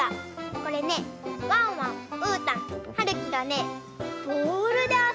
これねワンワンうーたんはるきがねボールであそんでます。